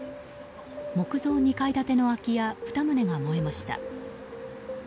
木造２階建ての空き家２棟が燃えました。